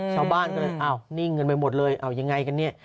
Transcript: ชาวบ้านก็เลยนี่เงินไปหมดเลยยังไงกันเนี่ย